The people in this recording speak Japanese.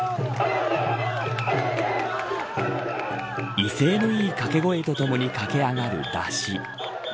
威勢のいい掛け声とともに駆け上がる山車。